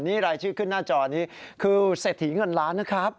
นี่รายชื่อขึ้นหน้าจอนี้คือเศรษฐีเงินล้านนะครับ